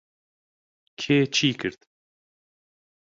کێ چی کرد؟